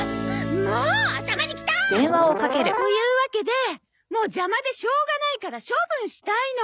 もう頭にきた！というわけでもう邪魔でしょうがないから処分したいの。